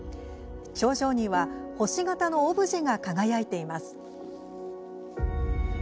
頂上には星形のオブジェが輝いています。